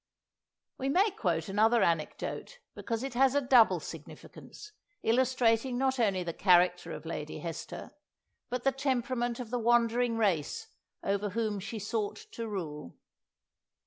We may quote another anecdote, because it has a double significance, illustrating not only the character of Lady Hester, but the temperament of the wandering race over whom she sought to rule.